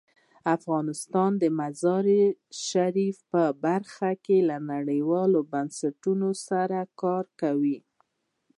افغانستان د مزارشریف په برخه کې له نړیوالو بنسټونو سره کار کوي.